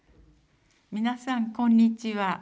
皆さんこんにちは。